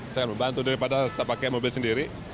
sangat membantu daripada saya pakai mobil sendiri